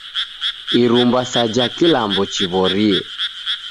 Irumba sa ja kilambo chiw'orie!